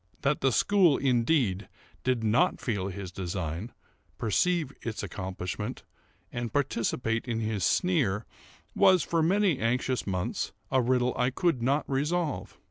That the school, indeed, did not feel his design, perceive its accomplishment, and participate in his sneer, was, for many anxious months, a riddle I could not resolve.